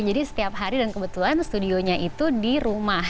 jadi setiap hari dan kebetulan studionya itu di rumah